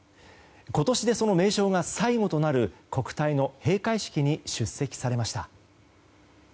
今年でその名称が最後となる国体の閉会式に出席されました。